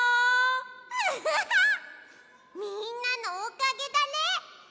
ウフフみんなのおかげだね！